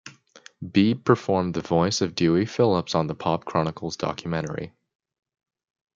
Beebe performed the voice of Dewey Phillips on the Pop Chronicles documentary.